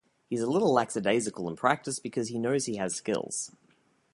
He's a little lackadaisical in practice because he knows he has skills.